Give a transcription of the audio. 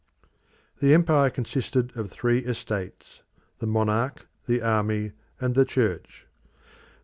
The Empire consisted of three estates the Monarch, the Army, and the Church.